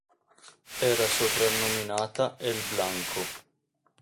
Era soprannominata "El Blanco".